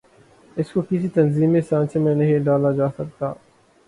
اس کو کسی تنظیمی سانچے میں نہیں ڈھا لا جا سکتا ہے۔